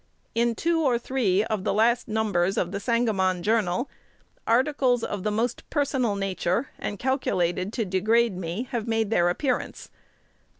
In two or three of the last number's of "The Sangamon Journal," articles of the most personal nature, and calculated to degrade me, have made their appearance.